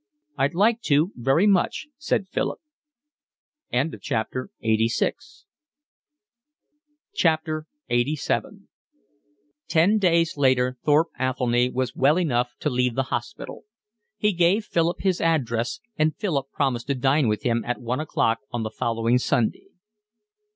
"I'd like to very much," said Philip. LXXXVII Ten days later Thorpe Athelny was well enough to leave the hospital. He gave Philip his address, and Philip promised to dine with him at one o'clock on the following Sunday.